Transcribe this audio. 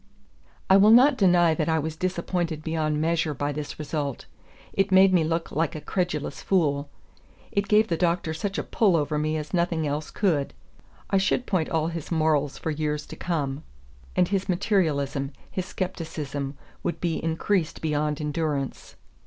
I will not deny that I was disappointed beyond measure by this result. It made me look like a credulous fool. It gave the Doctor such a pull over me as nothing else could. I should point all his morals for years to come; and his materialism, his scepticism, would be increased beyond endurance.